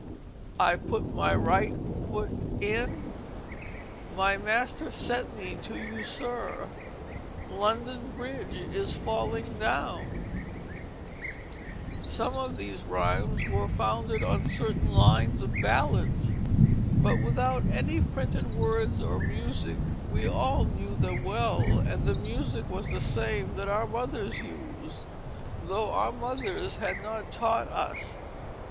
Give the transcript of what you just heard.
"I put my right foot in;" "My master sent me to you, sir;" "London Bridge is falling down." [Illustration: Skating, from Old Picture Book] Some of these rhymes were founded on certain lines of ballads; but without any printed words or music we all knew them well, and the music was the same that our mothers used though our mothers had not taught us.